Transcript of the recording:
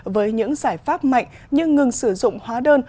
với những giải pháp mạnh như ngừng sử dụng hóa đơn